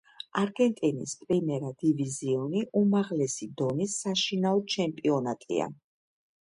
არგენტინის პრიმერა დივიზიონი უმაღლესი დონის საშინაო ჩემპიონატია.